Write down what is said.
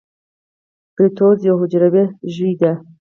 پروټوزوا یو حجروي ژوي دي